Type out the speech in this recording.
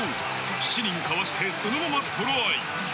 ７人かわして、そのままトライ。